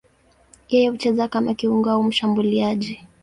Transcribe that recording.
Yeye hucheza kama kiungo au mshambuliaji.